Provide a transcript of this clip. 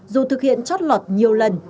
dù thực hiện chót lọt nhiều lần